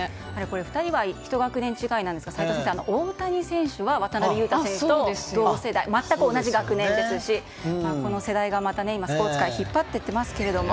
２人は、１学年違いなんですが齋藤先生、大谷選手は渡邊雄太選手と全く同じ学年ですしこの世代がまた今、スポーツ界を引っ張っていっていますけれども。